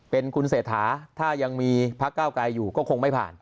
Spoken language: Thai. เป็นคุณเศรษฐาถ้ายังมีพักเก้าไกลอยู่ก็คงไม่ผ่าน